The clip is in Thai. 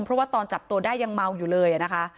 เพราะว่าตอนจับตัวได้ยังเมาอยู่เลยนะคะ